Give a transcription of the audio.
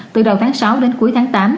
từ đầu tháng sáu đến cuối tháng tám